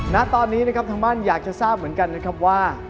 ณตอนนี้นะครับทางบ้านอยากจะทราบเหมือนกันนะครับว่า